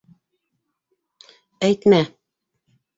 Әйтмә.